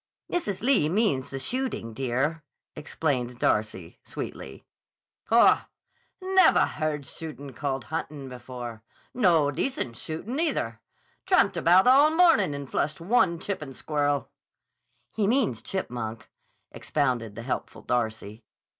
"Mrs. Lee means the shooting, dear," explained Darcy, sweetly. "Haw! Nevah heard shootin' called huntin' before. No decent shootin', either. Tramped about all mornin' and flushed one chippin' squirrel." "He means chipmunk," expounded the helpful Darcy.